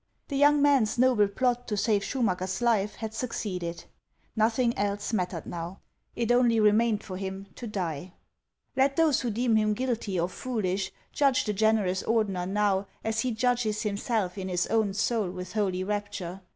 The young man's noble plot to save Schumacker's life had succeeded ; nothing else mattered now ; it only remained for him to die. Let those who deem him guilty or foolish judge the generous Ordener now, as he judges himself in his own soul with holy rapture.